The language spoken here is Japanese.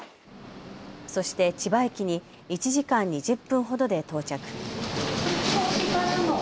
そして千葉駅に１時間２０分ほどで到着。